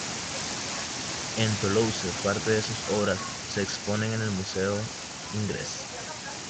En Toulouse parte de sus obras se exponen en el Museo Ingres.